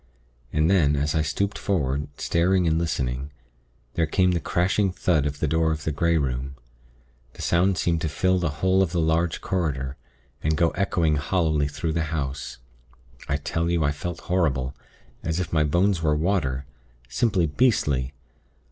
And then, as I stooped forward, staring and listening, there came the crashing thud of the door of the Grey Room. The sound seemed to fill the whole of the large corridor, and go echoing hollowly through the house. I tell you, I felt horrible as if my bones were water. Simply beastly.